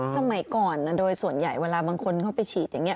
สมัยก่อนโดยส่วนใหญ่เวลาบางคนเขาไปฉีดอย่างนี้